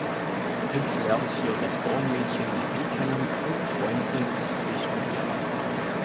Rick lernt hier das Bauernmädchen Marie kennen und freundet sich mit ihr an.